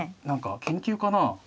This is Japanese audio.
何か研究かな。